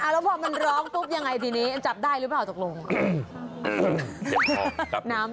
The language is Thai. แล้วพอมันร้องปุ๊บยังไงทีนี้จับได้หรือเปล่าตกลง